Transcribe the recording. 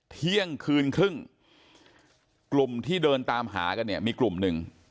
เที่ยงคืนครึ่งกลุ่มที่เดินตามหากันเนี่ยมีกลุ่มหนึ่ง